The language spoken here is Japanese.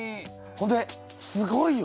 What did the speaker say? ほんですごいよ。